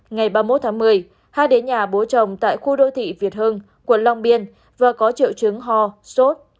ngày ba mươi một tháng một mươi hai đến nhà bố chồng tại khu đô thị việt hưng quận long biên và có triệu chứng ho sốt